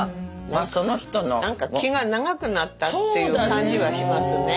まあその人の。何か気が長くなったっていう感じはしますね。